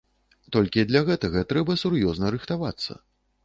Толькі для гэтага трэба сур'ёзна рыхтавацца.